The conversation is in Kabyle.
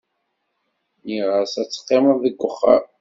Nniɣ-as ad teqqimeḍ deg uxxam.